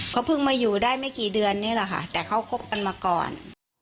เขาเพิ่งมาอยู่ได้ไม่กี่เดือนนี่แหละค่ะแต่เขาคบกันมาก่อน